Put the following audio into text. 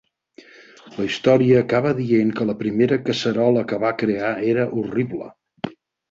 La història acaba dient que la primera casserola que va crear era horrible.